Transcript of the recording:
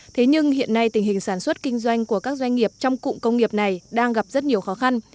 thế nhưng hiện nay tình hình sản xuất kinh doanh của các doanh nghiệp trong cụm công nghiệp này đang gặp rất nhiều khó khăn